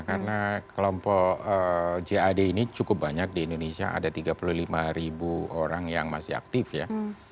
karena kelompok jad ini cukup banyak di indonesia ada tiga puluh lima ribu orang yang masih aktif ya